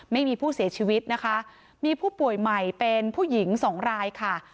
ไม่มีผู้เสียชีวิตนะคะมีผู้ป่วยใหม่เป็นผู้หญิงสองรายค่ะ